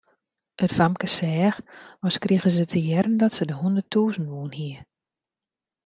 It famke seach as krige se te hearren dat se de hûnderttûzen wûn hie.